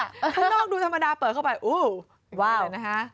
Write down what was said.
ข้างนอกดูธรรมดาเปิดเข้าไปอู้ว้าวนะฮะ